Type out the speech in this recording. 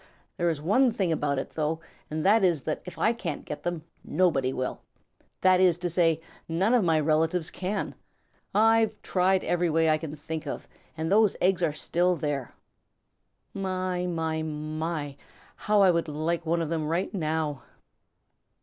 There is one thing about it, though, and that is that if I can't get them, nobody can. That is to say, none of my relatives can. I've tried every way I can think of, and those eggs are still there. My, my, my, how I would like one of them right now!"